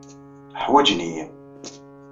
Ḥwajen-iyi.